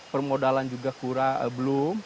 permodalan juga belum